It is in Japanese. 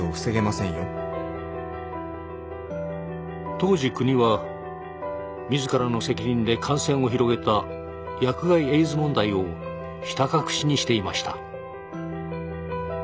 当時国は自らの責任で感染を広げた薬害エイズ問題をひた隠しにしていました。